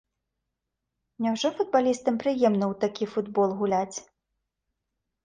Няўжо футбалістам прыемна ў такі футбол гуляць.